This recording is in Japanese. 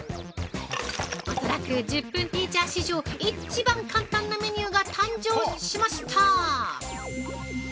◆おそらく１０分ティーチャー史上、イッチバン簡単なメニューが誕生しました！